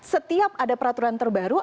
setiap ada peraturan terbaru